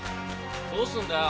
どうすんだよ？